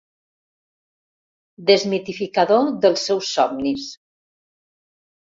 Desmitificador dels seus somnis.